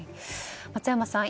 松山さん